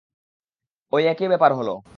ঐ একই ব্যাপার হলো।